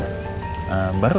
baru aja pak bos